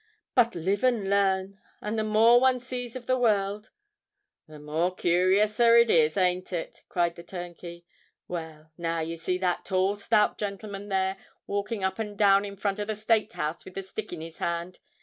"But live and learn; and the more one sees of the world——" "The more curiouser it is—ain't it?" cried the turnkey. "Well—now you see that tall, stout gentleman there, walking up and down in front of the State House with the stick in his hand?